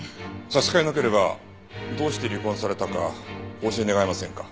差し支えなければどうして離婚されたかお教え願えませんか？